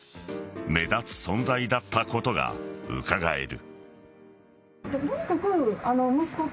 目立つ存在だったことがうかがえる。